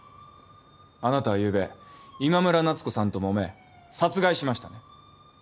あなたはゆうべ今村奈津子さんともめ殺害しましたね？